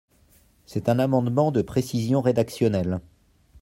C’est un amendement de précision rédactionnelle.